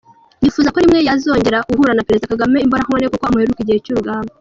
Yifuza ko rimwe yazongera guhura na Perezida Kagame imbonankubone kuko amuheruka igihe cy’urugamba.